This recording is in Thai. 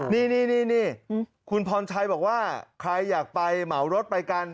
นี่คุณพรชัยบอกว่าใครอยากไปเหมารถไปกัน